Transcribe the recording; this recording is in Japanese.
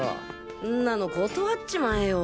んなの断っちまえよ！